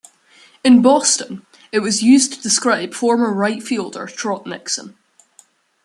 In Boston, it was used to describe former Right Fielder Trot Nixon.